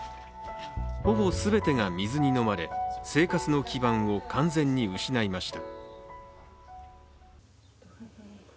ほぼ全てが水にのまれ生活の基盤を完全に失いました。